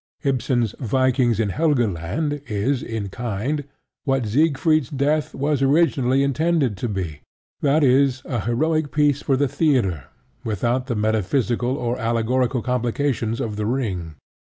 Ibsen's Vikings in Helgeland is, in kind, what Siegfried's Death was originally intended to be: that is, a heroic piece for the theatre, without the metaphysical or allegorical complications of The Ring.